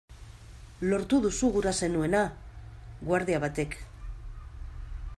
Lortu duzu gura zenuena!, guardia batek.